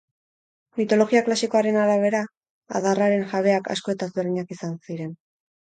Mitologia klasikoaren arabera, adarraren jabeak asko eta ezberdinak izan ziren.